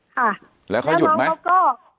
ค่ะแล้วน้องเขาก็